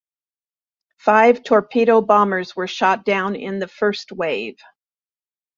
Five torpedo bombers were shot down in the first wave.